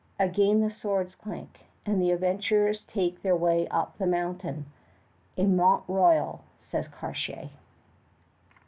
Again the swords clank, and the adventurers take their way up the mountain a Mont Royal, says Cartier.